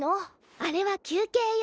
あれは休憩用。